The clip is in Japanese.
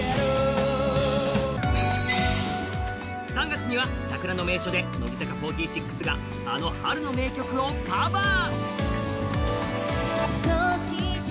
３月には桜の名所で乃木坂４６があの春の名曲をカバー。